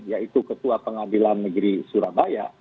yaitu ketua pengadilan negeri surabaya